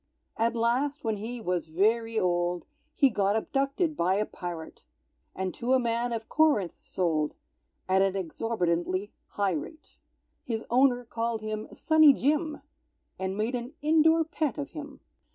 _"] At last, when he was very old, He got abducted by a pirate, And to a man of Corinth sold, At an exorbitantly high rate; His owner called him "Sunny Jim," And made an indoor pet of him.